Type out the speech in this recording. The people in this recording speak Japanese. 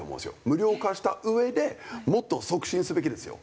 無料化した上でもっと促進すべきですよ。